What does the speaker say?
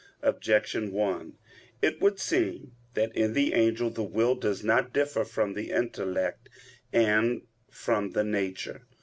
Objection 1: It would seem that in the angel the will does not differ from the intellect and from the nature.